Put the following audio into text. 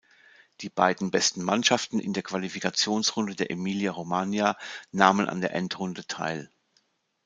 Die beiden besten Mannschaften in der Qualifikationsrunde der Emilia-Romagna nahmen an der Endrunde teil.